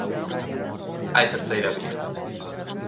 Hai terceira vía?